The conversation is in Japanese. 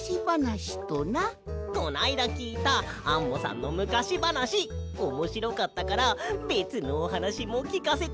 こないだきいたアンモさんのむかしばなしおもしろかったからべつのおはなしもきかせて。